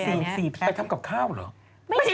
อันนี้มันทำกักข้าวเหรอ